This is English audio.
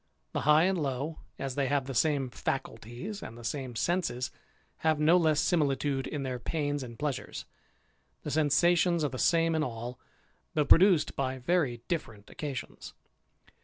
The high and low, as they have the same faculties and the same senses, have no less similitude in their pains and pleasures. The sensations are the same in all, though produced by very different occasions.